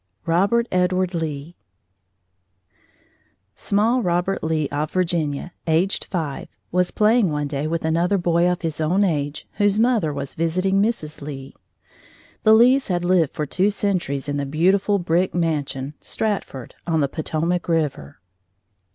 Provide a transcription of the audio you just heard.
ROBERT EDWARD LEE Small Robert Lee, of Virginia, aged five, was playing one day with another boy of his own age, whose mother was visiting Mrs. Lee. The Lees had lived for two centuries in the beautiful brick mansion, "Stratford," on the Potomac River.